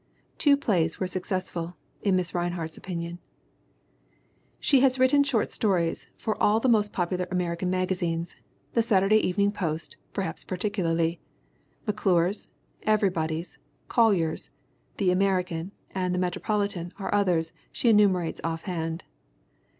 "Two plays were successful," in Mrs. Rinehart's opinion. She has written short stories for all the most pop ular American magazines the Saturday Evening Post perhaps particularly; McClure's, Everybody's, Collier's, the American and the Metropolitan are others she enumerates offhand.